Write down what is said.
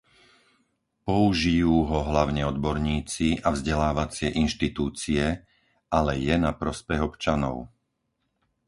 Použijú ho hlavne odborníci a vzdelávacie inštitúcie, ale je na prospech občanov.